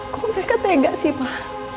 kok mereka tega sih pak